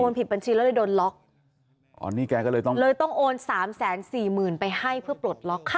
ผิดบัญชีแล้วเลยโดนล็อกอ๋อนี่แกก็เลยต้องเลยต้องโอนสามแสนสี่หมื่นไปให้เพื่อปลดล็อกค่ะ